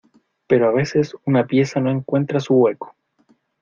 pero a veces una pieza no encuentra su hueco